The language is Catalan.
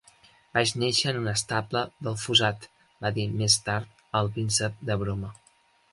"Vaig néixer en un estable del fossat", va dir més tard el príncep, de broma.